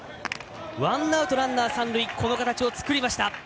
ワンアウトランナー、三塁この形を作れました。